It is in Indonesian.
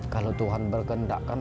kalau tuhan berkendak kan